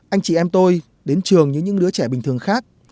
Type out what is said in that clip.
anh chị em tôi đến trường như những đứa trẻ bình thường khác